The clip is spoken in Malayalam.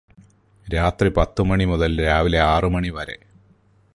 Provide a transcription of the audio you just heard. രാത്രി പത്ത് മണി മുതല് രാവിലെ ആറ് മണി വരെ.